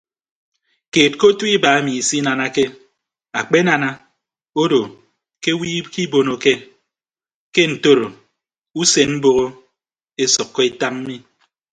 Keed ke otu iba emi isinanake akpenana odo ke owo ikibonoke ke ntoro usen mboho esʌkkọ etañ mi.